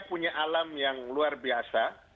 punya alam yang luar biasa